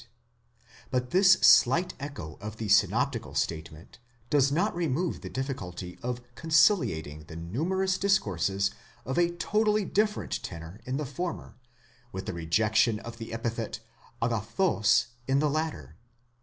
28), but this slight echo of the synoptical statement does not remove the difficulty of con ciliating the numerous discourses of a totally different tenor in the former, with the rejection of the epithet ἀγαθὸς in the latter.